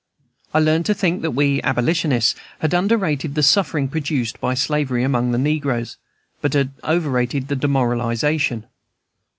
I learned to think that we abolitionists had underrated the suffering produced by slavery among the negroes, but had overrated the demoralization.